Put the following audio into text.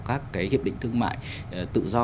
các cái hiệp định thương mại tự do